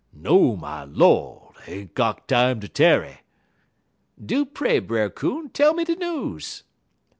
"'No, my Lord! Ain't got time ter tarry.' "'Do pray, Brer Coon, tell me de news.'